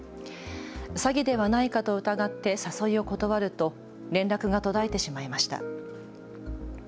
詐欺ではないかと疑って誘いを断ると連絡が途絶えてしまいました。